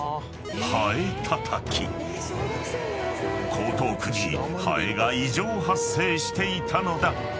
［江東区にハエが異常発生していたのだ］